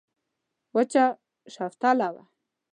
وچه شوتله وه.